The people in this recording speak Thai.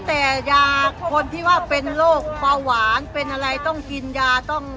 แต่ยาคนที่ว่าเป็นโรคเบาหวานเป็นอะไรต้องกินยาต้อง